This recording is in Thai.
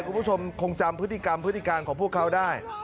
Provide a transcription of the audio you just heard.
คุณผู้ชมคงจำพฤติกรรมพฤติการของพวกเขาได้